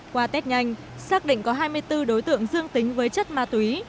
qua test nhanh xác định có hai mươi bốn đối tượng dương tính với chất ma túy